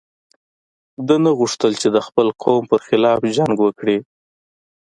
ده نه غوښتل چې د خپل قوم پر خلاف جنګ وکړي.